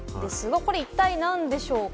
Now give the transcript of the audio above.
これ一体何でしょうか？